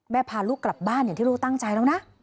พาลูกกลับบ้านอย่างที่ลูกตั้งใจแล้วนะ